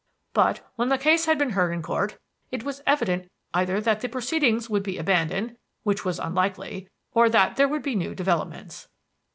But when the case had been heard in Court, it was evident either that the proceedings would be abandoned which was unlikely or that there would be new developments.